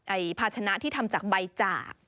ภาชนะที่ทำจากใบจาก